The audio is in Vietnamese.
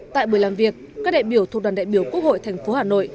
tại buổi làm việc các đại biểu thuộc đoàn đại biểu quốc hội tp hà nội